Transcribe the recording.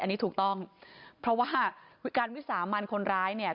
อันนี้ถูกต้องเพราะว่าการวิสามันคนร้ายเนี่ย